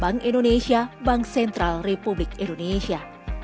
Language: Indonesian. bank indonesia bank sentral republik indonesia